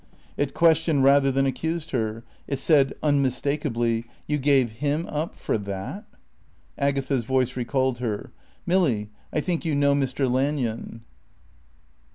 It questioned rather than accused her. It said unmistakably, "You gave him up for that?" Agatha's voice recalled her. "Milly, I think you know Mr. Lanyon."